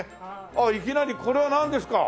ああいきなりこれはなんですか？